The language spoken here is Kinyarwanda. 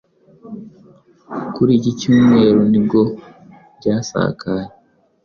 kuri iki cyumweru nibwo byasakaye